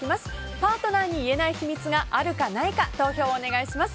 パートナーに言えない秘密があるか、ないか投票をお願いします。